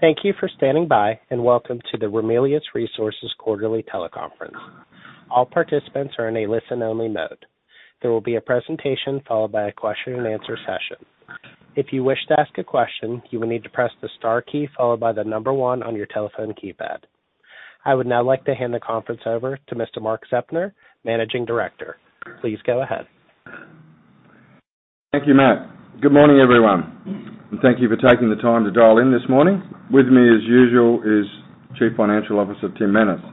Thank you for standing by. Welcome to the Ramelius Resources quarterly teleconference. All participants are in a listen only mode. There will be a presentation followed by a question-and-answer session. If you wish to ask a question, you will need to press the star key followed by the number one on your telephone keypad. I would now like to hand the conference over to Mr. Mark Zeptner, Managing Director. Please go ahead. Thank you, Matt. Good morning, everyone, and thank you for taking the time to dial in this morning. With me, as usual, is Chief Financial Officer Tim Manners.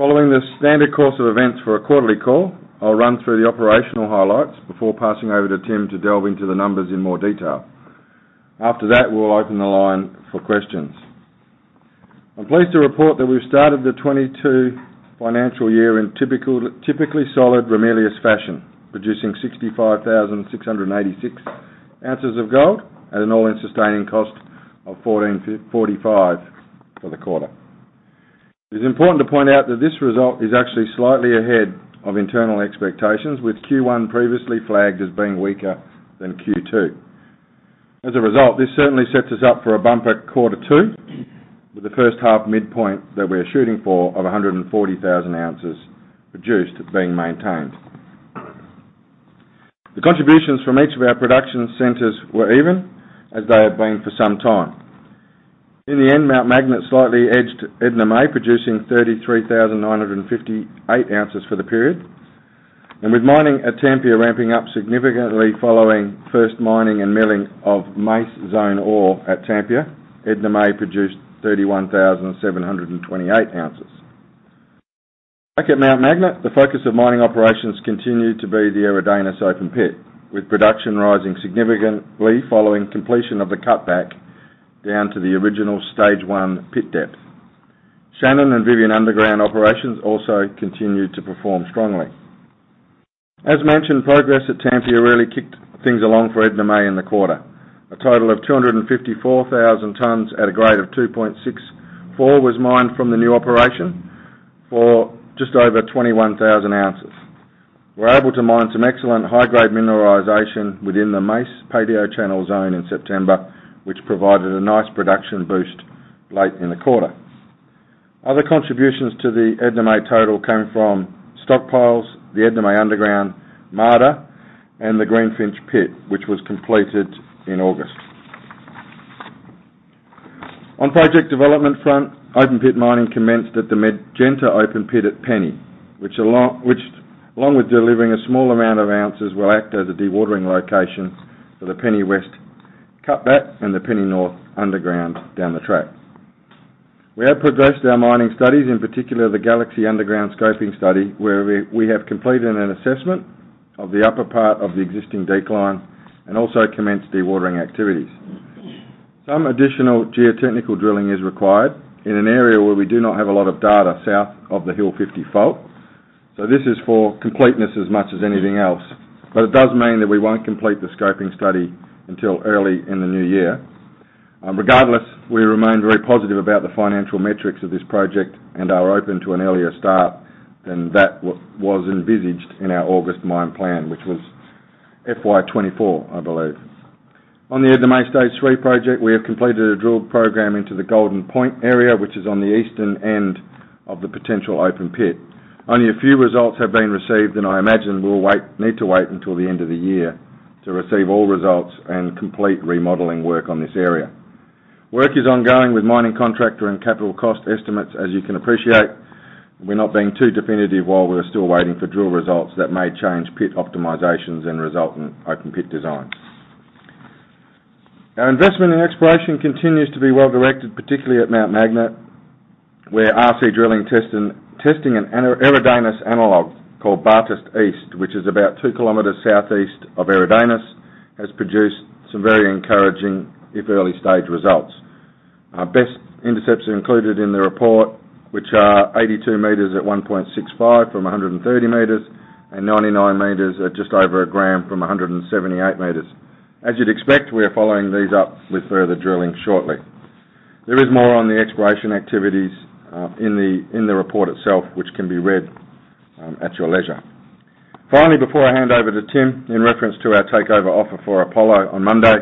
Following the standard course of events for a quarterly call, I'll run through the operational highlights before passing over to Tim to delve into the numbers in more detail. After that, we'll open the line for questions. I'm pleased to report that we've started the 2022 financial year in typically solid Ramelius fashion, producing 65,686 ounces of gold at an all-in sustaining cost of 1,445 for the quarter. It is important to point out that this result is actually slightly ahead of internal expectations, with Q1 previously flagged as being weaker than Q2. As a result, this certainly sets us up for a bumper Q2, with the first half midpoint that we're shooting for of 140,000 ounces produced being maintained. The contributions from each of our production centers were even, as they have been for some time. In the end, Mt Magnet slightly edged Edna May, producing 33,958 ounces for the period. With mining at Tampia ramping up significantly following first mining and milling of Mace Zone ore at Tampia, Edna May produced 31,728 ounces. Back at Mt Magnet, the focus of mining operations continued to be the Eridanus open pit, with production rising significantly following completion of the cutback down to the original stage one pit depth. Shannon and Vivian underground operations also continued to perform strongly. As mentioned, progress at Tampia really kicked things along for Edna May in the quarter. A total of 254,000 tons at a grade of 2.64 was mined from the new operation for just over 21,000 ounces. We're able to mine some excellent high-grade mineralization within the Mace palaeochannel zone in September, which provided a nice production boost late in the quarter. Other contributions to the Edna May total came from stockpiles, the Edna May underground Marda, and the Greenfinch pit, which was completed in August. On project development front, open pit mining commenced at the Magenta open pit at Penny, which along with delivering a small amount of ounces, will act as a dewatering location for the Penny West cutback and the Penny North underground down the track. We have progressed our mining studies, in particular, the Galaxy underground scoping study, where we have completed an assessment of the upper part of the existing decline and also commenced dewatering activities. Some additional geotechnical drilling is required in an area where we do not have a lot of data south of the Hill 50 fault. This is for completeness as much as anything else. It does mean that we won't complete the scoping study until early in the new year. Regardless, we remain very positive about the financial metrics of this project and are open to an earlier start than that was envisaged in our August mine plan, which was FY 2024, I believe. On the Edna May Stage three project, we have completed a drill program into the Golden Point area, which is on the eastern end of the potential open pit. Only a few results have been received, and I imagine we'll need to wait until the end of the year to receive all results and complete remodeling work on this area. Work is ongoing with mining contractor and capital cost estimates. As you can appreciate, we're not being too definitive while we're still waiting for drill results that may change pit optimizations and result in open pit designs. Our investment in exploration continues to be well-directed, particularly at Mt Magnet, where RC Drilling testing an Eridanus analog called Bartus East, which is about 2 kilometers southeast of Eridanus, has produced some very encouraging, if early-stage, results. Our best intercepts are included in the report, which are 82 meters at 1.65 from 130 meters and 99 meters at just over a gram from 178 meters. As you'd expect, we are following these up with further drilling shortly. There is more on the exploration activities in the report itself, which can be read at your leisure. Finally, before I hand over to Tim, in reference to our takeover offer for Apollo on Monday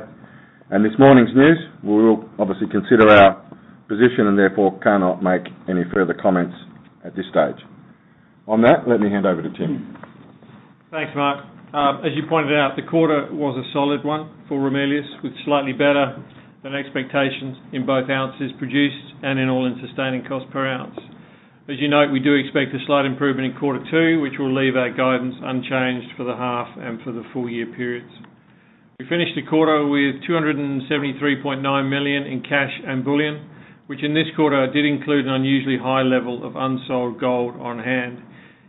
and this morning's news, we will obviously consider our position and therefore cannot make any further comments at this stage. On that, let me hand over to Tim. Thanks, Mark. As you pointed out, the quarter was a solid one for Ramelius, with slightly better than expectations in both ounces produced and in all-in sustaining cost per ounce. As you note, we do expect a slight improvement in Q2, which will leave our guidance unchanged for the half and for the full-year periods. We finished the quarter with 273.9 million in cash and bullion, which in this quarter did include an unusually high level of unsold gold on hand.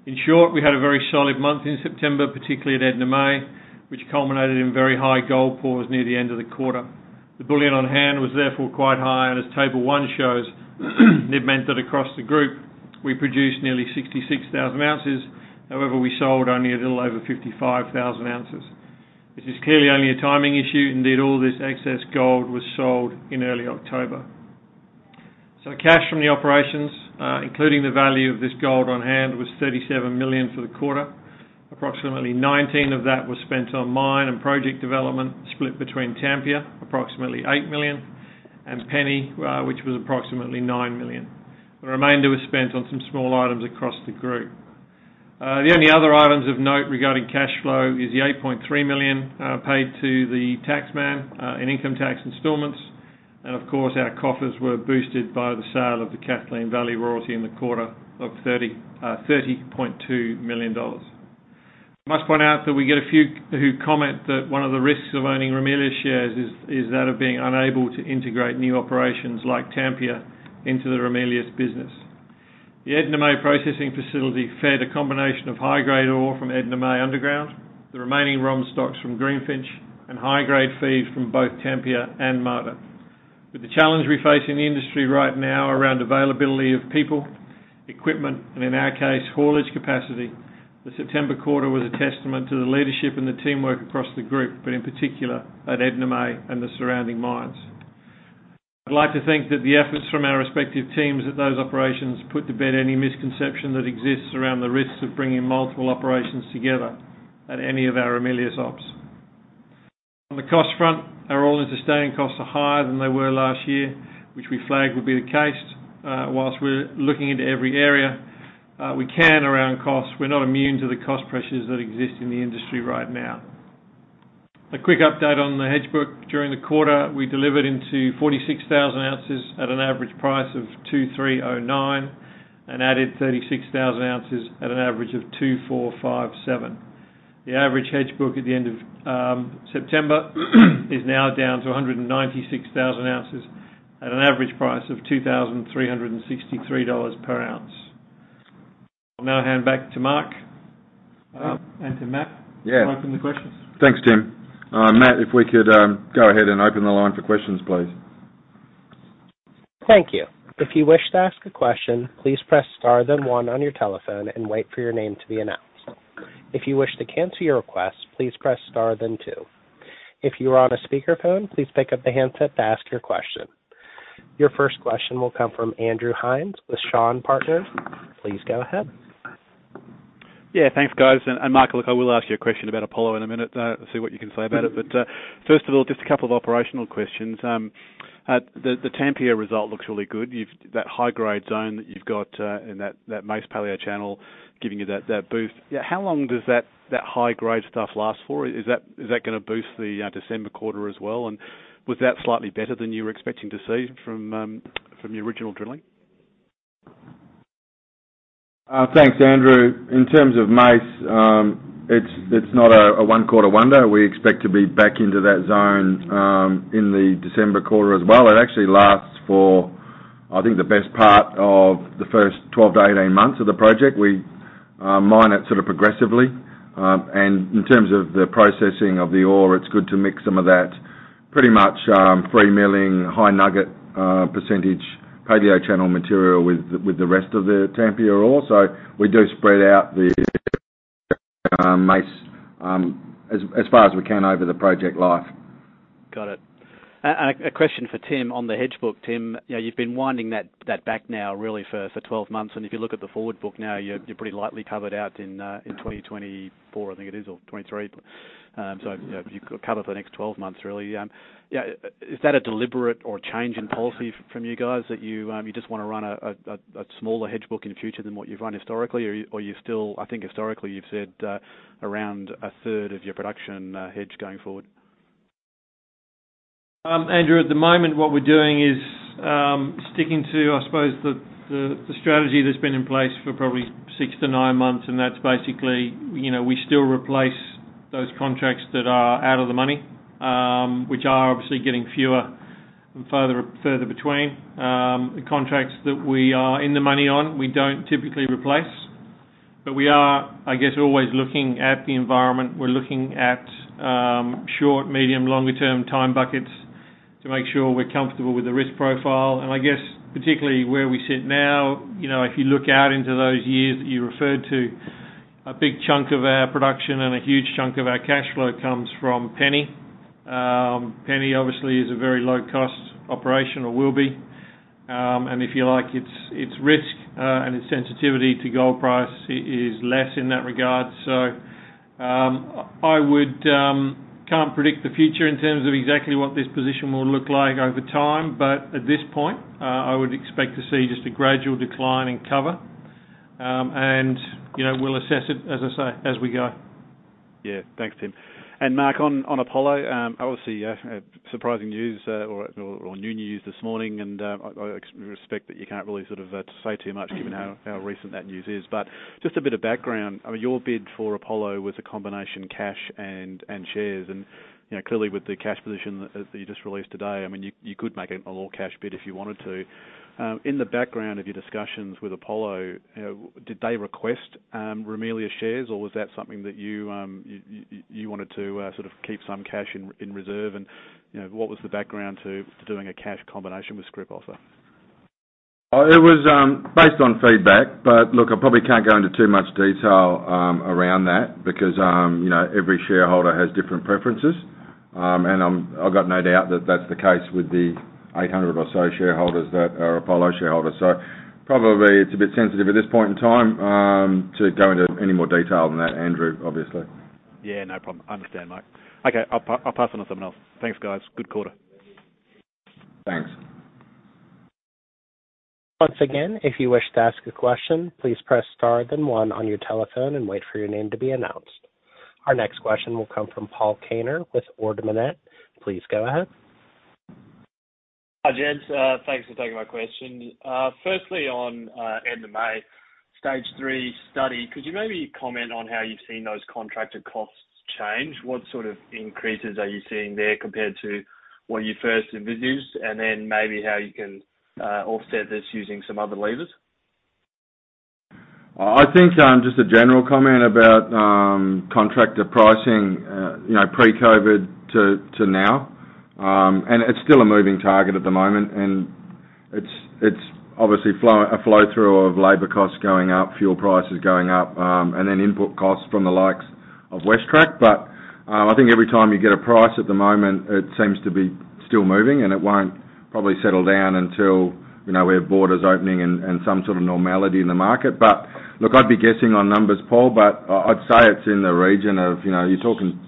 In short, we had a very solid month in September, particularly at Edna May, which culminated in very high gold pours near the end of the quarter. The bullion on hand was therefore quite high, and as table one shows, it meant that across the group, we produced nearly 66,000 ounces. However, we sold only a little over 55,000 ounces. This is clearly only a timing issue. Indeed, all this excess gold was sold in early October. Cash from the operations, including the value of this gold on hand, was 37 million for the quarter. Approximately 19 million of that was spent on mine and project development, split between Tampia, approximately 8 million, and Penny, which was approximately 9 million. The remainder was spent on some small items across the group. The only other items of note regarding cash flow is the 8.3 million paid to the tax man in income tax installments. Of course, our coffers were boosted by the sale of the Kathleen Valley royalty in the quarter of 30.2 million dollars. I must point out that we get a few who comment that one of the risks of owning Ramelius shares is that of being unable to integrate new operations like Tampia into the Ramelius business. The Edna May processing facility fed a combination of high-grade ore from Edna May Underground, the remaining ROM stocks from Greenfinch, and high-grade feed from both Tampia and Marda. With the challenge we face in the industry right now around availability of people, equipment, and in our case, haulage capacity, the September quarter was a testament to the leadership and the teamwork across the group, but in particular at Edna May and the surrounding mines. I'd like to think that the efforts from our respective teams at those operations put to bed any misconception that exists around the risks of bringing multiple operations together at any of our Ramelius ops. On the cost front, our all-in sustaining costs are higher than they were last year, which we flagged would be the case. Whilst we're looking into every area we can around costs, we're not immune to the cost pressures that exist in the industry right now. A quick update on the hedge book. During the quarter, we delivered into 46,000 ounces at an average price of 2,309 and added 36,000 ounces at an average of 2,457. The average hedge book at the end of September is now down to 196,000 ounces at an average price of 2,363 dollars per ounce. I'll now hand back to Mark and to Matt to open the questions. Thanks, Tim. Matt, if we could go ahead and open the line for questions, please. Thank you. If you wish to ask a question, please press star then one on your telephone and wait for your name to be announced. If you wish to cancel your request, please press star then two. If you are on a speaker phone, please pick up the handset to ask your question. Your first question will come from Andrew Hines with Shaw and Partners. Please go ahead. Yeah, thanks guys. Mark, look, I will ask you a question about Apollo in a minute, see what you can say about it. First of all, just a couple of operational questions. The Tampia result looks really good. That high-grade zone that you've got and that Mace Palaeochannel giving you that boost. How long does that high-grade stuff last for? Is that gonna boost the December quarter as well? Was that slightly better than you were expecting to see from the original drilling? Thanks, Andrew. In terms of Mace, it's not a one quarter wonder. We expect to be back into that zone in the December quarter as well. It actually lasts for, I think, the best part of the first 12-18-months of the project. We mine it sort of progressively. In terms of the processing of the ore, it's good to mix some of that pretty much free milling, high nugget percentage, palaeochannel material with the rest of the Tampia ore. We do spread out the Mace as far as we can over the project life. Got it. A question for Tim on the hedge book. Tim, you've been winding that back now really for 12-months, and if you look at the forward book now, you're pretty lightly covered out in 2024, I think it is, or 2023. You're covered for the next 12-months really. Is that a deliberate or a change in policy from you guys that you just want to run a smaller hedge book in the future than what you've run historically? Are you still, I think historically you've said around a third of your production hedge going forward. Andrew, at the moment, what we're doing is sticking to, I suppose, the strategy that's been in place for probably six to nine months, and that's basically, we still replace those contracts that are out of the money, which are obviously getting fewer and further between. The contracts that we are in the money on, we don't typically replace. We are, I guess, always looking at the environment. We're looking at short, medium, longer term time buckets to make sure we're comfortable with the risk profile. I guess particularly where we sit now, if you look out into those years that you referred to, a big chunk of our production and a huge chunk of our cash flow comes from Penny. Penny obviously is a very low-cost operation or will be. If you like, its risk and its sensitivity to gold price is less in that regard. I can't predict the future in terms of exactly what this position will look like over time. At this point, I would expect to see just a gradual decline in cover. We'll assess it, as I say, as we go. Yeah. Thanks, Tim Manners. Mark, on Apollo, obviously surprising news or new news this morning, and I respect that you can't really sort of say too much given how recent that news is. Just a bit of background. Your bid for Apollo was a combination cash and shares. Clearly with the cash position that you just released today, you could make an all cash bid if you wanted to. In the background of your discussions with Apollo, did they request Ramelius shares or was that something that you wanted to sort of keep some cash in reserve and what was the background to doing a cash combination with scrip offer? It was based on feedback. Look, I probably can't go into too much detail around that because every shareholder has different preferences. I've got no doubt that's the case with the 800 or so shareholders that are Apollo shareholders. Probably it's a bit sensitive at this point in time to go into any more detail than that, Andrew, obviously. Yeah, no problem. I understand, Mark. Okay, I'll pass on to someone else. Thanks, guys. Good quarter. Thanks. Once again, if you wish to ask a question, please press star then one on your telephone and wait for your name to be announced. Our next question will come from Paul Kaner with Ord Minnett. Please go ahead. Hi, gents. Thanks for taking my question. Firstly, on Edna May, stage three study, could you maybe comment on how you've seen those contracted costs change? What sort of increases are you seeing there compared to what you first envisaged? Then maybe how you can offset this using some other levers? I think, just a general comment about contractor pricing, pre-COVID to now. It's still a moving target at the moment, and it's obviously a flow-through of labor costs going up, fuel prices going up, and then input costs from the likes of WesTrac. I think every time you get a price at the moment, it seems to be still moving, and it won't probably settle down until we have borders opening and some sort of normality in the market. Look, I'd be guessing on numbers, Paul, but I'd say it's in the region of, you're talking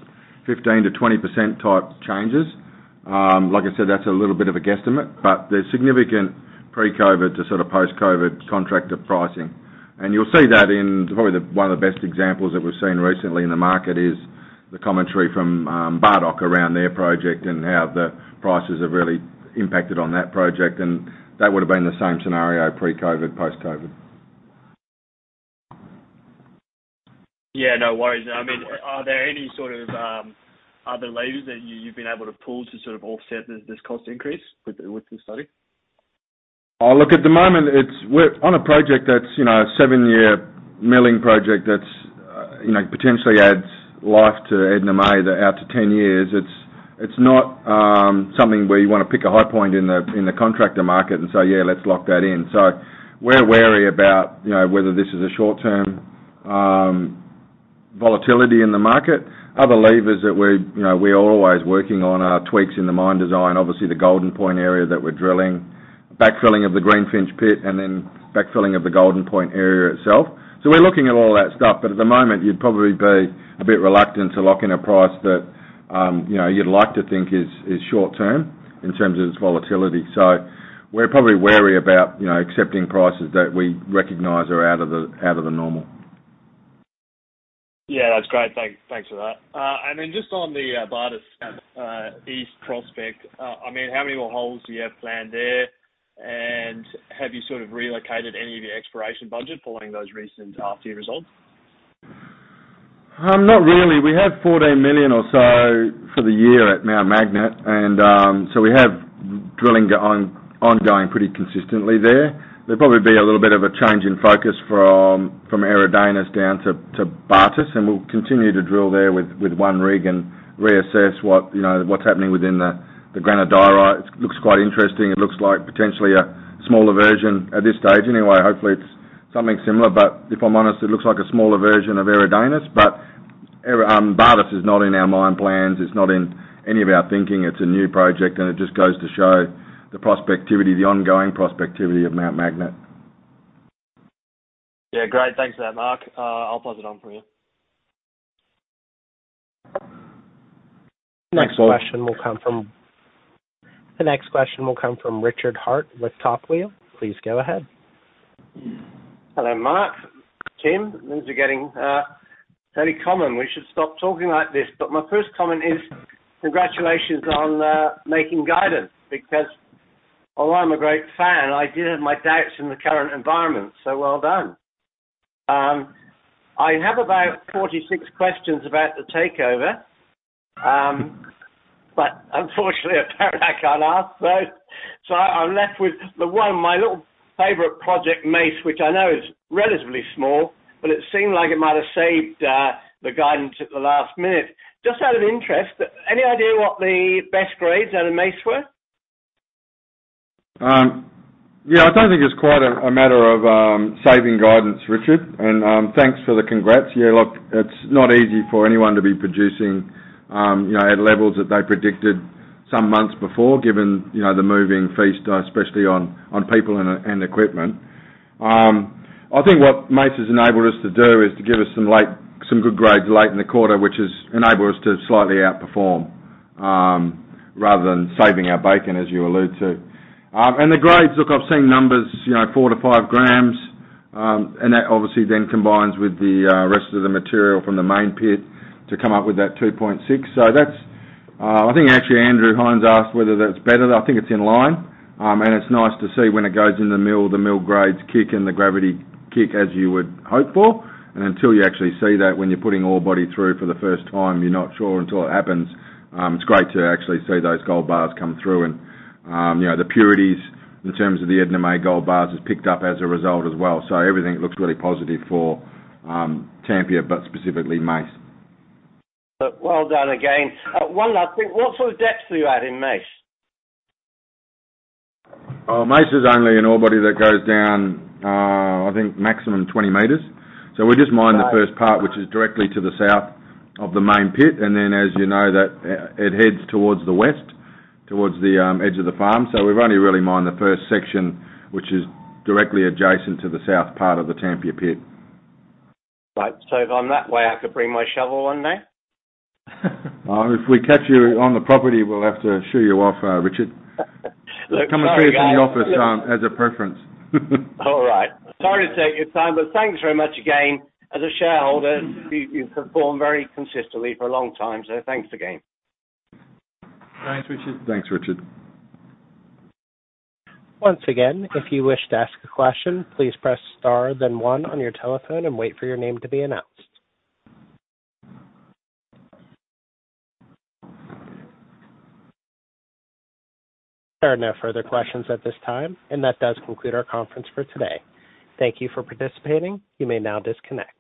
15%-20% type changes. Like I said, that's a little bit of a guesstimate, but there's significant pre-COVID to sort of post-COVID contractor pricing. You'll see that in, probably one of the best examples that we've seen recently in the market is the commentary from Bardoc around their project and how the prices have really impacted on that project. That would've been the same scenario pre-COVID, post-COVID. Yeah, no worries. Are there any sort of other levers that you've been able to pull to sort of offset this cost increase with this study? Look, at the moment, on a project that's a seven-year milling project that potentially adds life to Edna May out to 10-years, it's not something where you want to pick a high point in the contractor market and say, "Yeah, let's lock that in." We're wary about whether this is a short-term volatility in the market. Other levers that we're always working on are tweaks in the mine design. Obviously, the Golden Point area that we're drilling, backfilling of the Greenfinch pit, and then backfilling of the Golden Point area itself. We're looking at all that stuff, but at the moment, you'd probably be a bit reluctant to lock in a price that you'd like to think is short-term in terms of its volatility. We're probably wary about accepting prices that we recognize are out of the normal. Yeah, that's great. Thanks for that. Just on the Bartus East prospect, how many more holes do you have planned there? Have you sort of relocated any of your exploration budget following those recent half-year results? Not really. We have 14 million or so for the year at Mount Magnet. We have drilling ongoing pretty consistently there. There'll probably be a little bit of a change in focus from Eridanus down to Bartus, and we'll continue to drill there with one rig and reassess what's happening within the granodiorite. It looks quite interesting. It looks like potentially a smaller version, at this stage anyway. Hopefully, it's something similar, but if I'm honest, it looks like a smaller version of Eridanus. Bartus is not in our mine plans. It's not in any of our thinking. It's a new project, and it just goes to show the ongoing prospectivity of Mount Magnet. Yeah, great. Thanks for that, Mark. I'll pass it on for you. Thanks, Paul. The next question will come from Richard Hart with Top Wheel. Please go ahead. Hello, Mark, Tim. These are getting very common. We should stop talking like this. My first comment is congratulations on making guidance because although I'm a great fan, I did have my doubts in the current environment, so well done. I have about 46 questions about the takeover. Unfortunately, apparently, I can't ask those. I'm left with one of my little favorite project, Mace, which I know is relatively small, but it seemed like it might have saved the guidance at the last minute. Just out of interest, any idea what the best grades out of Mace were? Yeah, I don't think it's quite a matter of saving guidance, Richard. Thanks for the congrats. Yeah, look, it's not easy for anyone to be producing at levels that they predicted some months before, given the moving feast, especially on people and equipment. I think what Mace has enabled us to do is to give us some good grades late in the quarter, which has enabled us to slightly outperform, rather than saving our bacon, as you allude to. The grades, look, I've seen numbers 4-5 grams. That obviously then combines with the rest of the material from the main pit to come up with that 2.6. I think actually Andrew Hines asked whether that's better. I think it's in line. It's nice to see when it goes in the mill, the mill grades kick and the gravity kick as you would hope for. Until you actually see that when you're putting ore body through for the first time, you're not sure until it happens. It's great to actually see those gold bars come through and the purities in terms of the Edna May gold bars has picked up as a result as well. Everything looks really positive for Tampia, but specifically Mace. Well done again. One last thing. What sort of depths are you at in Mace? Mace is only an ore body that goes down, I think maximum 20-meters. We just mined the first part, which is directly to the south of the main pit. As you know, it heads towards the west, towards the edge of the farm. We've only really mined the first section, which is directly adjacent to the south part of the Tampia pit. Right. If I'm that way, I could bring my shovel in there? If we catch you on the property, we'll have to shoo you off, Richard. Look, sorry-. Come and see us in the office as a preference. All right. Sorry to take your time. Thanks very much again. As a shareholder, you've performed very consistently for a long time. Thanks again. Thanks, Richard. Thanks, Richard. Once again, if you wish to ask a question, please press star then one on your telephone and wait for your name to be announced. There are no further questions at this time, and that does conclude our conference for today. Thank you for participating. You may now disconnect.